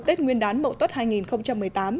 tết nguyên đán mậu tuất hai nghìn một mươi tám